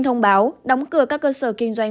thông báo đóng cửa các cơ sở kinh doanh